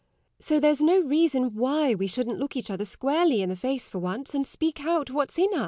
So there's no reason why we shouldn't look each other squarely in the face for once, and speak out what's in us.